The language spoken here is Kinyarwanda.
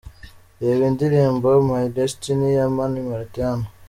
Reba indirimbo ’My Destiny’ ya Mani Martin hano: .